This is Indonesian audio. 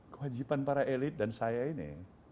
kewajiban para elit dan saya ini